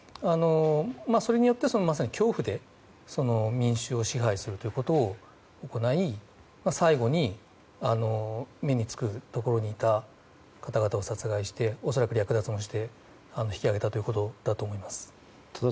それによって、まさに恐怖で民衆を支配するということを行い最後に目につくところにいた方々を殺害して恐らく略奪もして引き揚げたということだと思います。